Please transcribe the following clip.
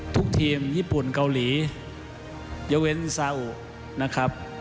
ทีมญี่ปุ่นเกาหลีเยเวนซาอุนะครับ